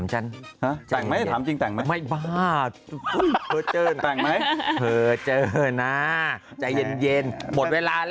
ใช่ดิเดี๋ยวเราแต่งแล้วจะบอกเลย